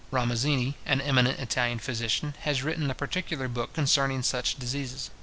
Ramuzzini, an eminent Italian physician, has written a particular book concerning such diseases.